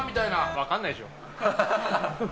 分かんないでしょ。